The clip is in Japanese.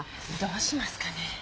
どうしますかね。